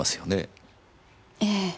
ええ。